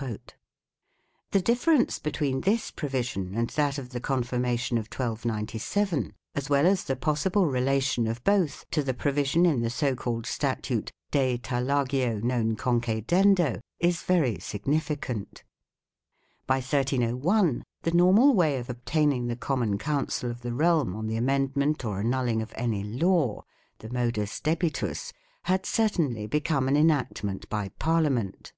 l The difference between this provision and that of the confirmation of 1297, as well as the possible re lation of both to the provision in the so called statute " De Tallagio non Concedendo," is very significant. By 1301 the normal way of obtaining the common counsel of the realm on the amendment or annulling of any law the " modus debitus " had certainly be come an enactment by Parliament.